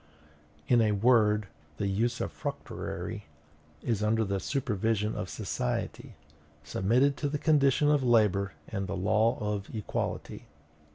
In a word, the usufructuary is under the supervision of society, submitted to the condition of labor and the law of equality.